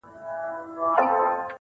درد وچاته نه ورکوي.